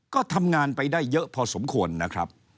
ก็ทำงานไปได้เยอะพอสมควรนะครับ